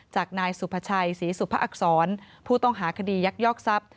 จากนายสุภาชัยศรีสุภอักษรผู้ต้องหาคดียักยอกทรัพย์